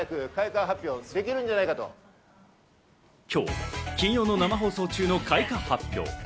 今日、金曜の生放送中の開花発表。